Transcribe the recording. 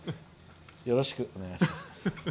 よろしくお願いします。